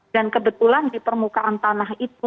dan kebetulan di permukaan tanah itu